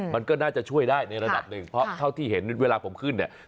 มันก็น่าจะช่วยได้ในระดับหนึ่งเพราะเท่าที่เห็นเวลาผมขึ้นเนี่ย